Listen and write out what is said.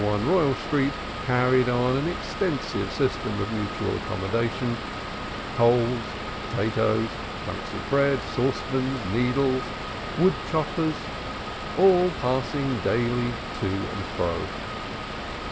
1 Royal Street carried on an extensive system of mutual accommodation, coals, potatoes, chunks of bread, saucepans, needles, wood choppers, all passing daily to and fro.